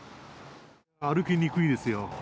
歩きにくいですよ。